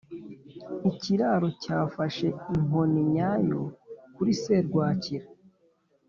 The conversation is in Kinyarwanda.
ikiraro cyafashe inkoni nyayo kuri serwakira.